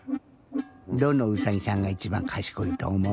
どのうさぎさんがいちばんかしこいとおもう？